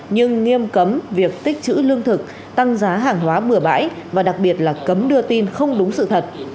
nhưng nghiêm cấm việc tích chữ lương thực tăng giá hàng hóa bừa bãi và đặc biệt là cấm đưa tin không đúng sự thật